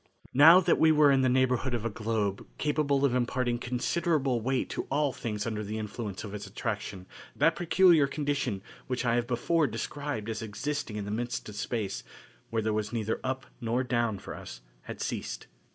Now that we were in the neighborhood of a globe capable of imparting considerable weight to all things under the influence of its attraction that peculiar condition which I have before described as existing in the midst of space, where there was neither up nor down for us, had ceased.